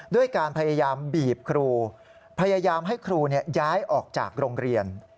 ด้วยการพยายามบีบครูพยายามให้ครูย้ายออกจากโรงเรียน